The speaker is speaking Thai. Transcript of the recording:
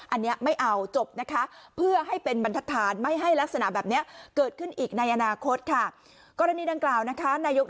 อันนี้ไม่เอาจบนะคะเพื่อให้เป็นบรรทัดฐาน